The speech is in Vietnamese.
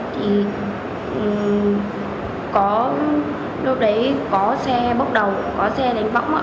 thì có lúc đấy có xe bốc đầu có xe đánh bõng ạ